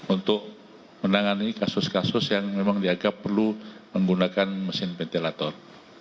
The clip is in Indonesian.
untuk menangani kasus kasus yang memang dianggap perlu menggunakan mesin ventilator